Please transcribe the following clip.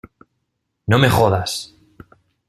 ¡ no me jodas!